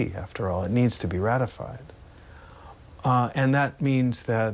สิ่งแรกที่ต้องการตรวจต่อไปตรวจต่อไปใน๑๒ประเภท